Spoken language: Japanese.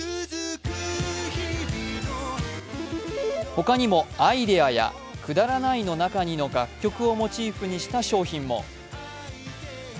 他にも「アイデア」や「くだらないの中に」の楽曲をモチーフにした商品も。